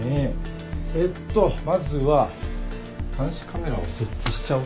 えっとまずは監視カメラを設置しちゃおっかなあ。